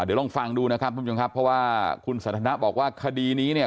เดี๋ยวลองฟังดูนะครับทุกผู้ชมครับเพราะว่าคุณสันทนะบอกว่าคดีนี้เนี่ย